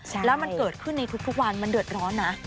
แล้วมันเกิดขึ้นในทุกวันมันเดือดร้อนนะ